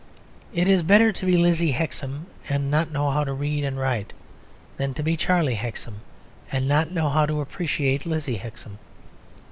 It is better to be Lizzie Hexam and not know how to read and write than to be Charlie Hexam and not know how to appreciate Lizzie Hexam.